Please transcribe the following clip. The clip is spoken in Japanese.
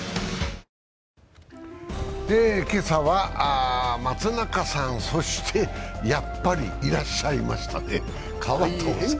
今朝は松中さん、そしてやっぱりいらっしゃいましたね、川藤さん。